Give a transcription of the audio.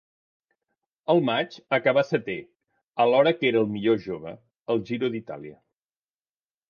Al maig acabà setè, alhora que era el millor jove, al Giro d'Itàlia.